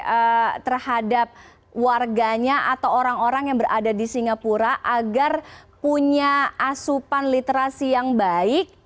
atau terhadap warganya atau orang orang yang berada di singapura agar punya asupan literasi yang baik